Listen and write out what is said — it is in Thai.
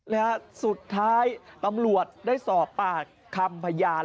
นะฮะสุดท้ายตำรวจได้สอบปากคำพยาน